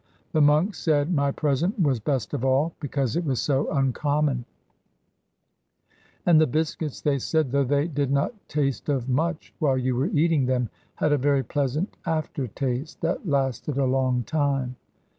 The monks said my present was best of all, because it was so uncommon; and the biscuits, they said, though they did not taste of much while you were eating them, had a very pleasant after taste that lasted a long time.